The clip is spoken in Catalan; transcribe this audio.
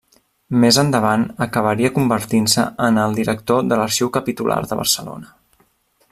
Més endavant acabaria convertint-se en el director de l'Arxiu Capitular de Barcelona.